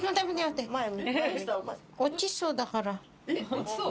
落ちそう？